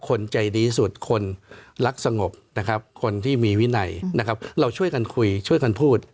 คนใจดีที่สุดคนรักสงบนะครับคนที่มีวินัยนะครับเราช่วยกันคุยช่วยกันพูด